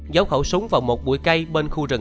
giấu khẩu súng vào một bụi cây bên khu rừng sau nhà